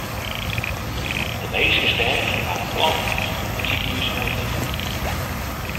De medyske stêf hat in plan betocht om it sikehús oer te nimmen.